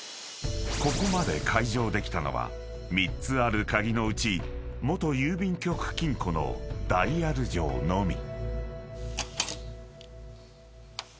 ［ここまで解錠できたのは３つある鍵のうち元郵便局金庫のダイヤル錠のみ］